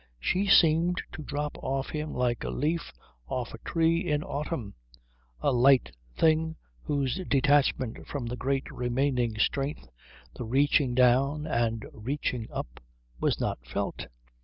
She seemed to drop off him like a leaf off a tree in autumn, a light thing whose detachment from the great remaining strength, the reaching down and reaching up, was not felt.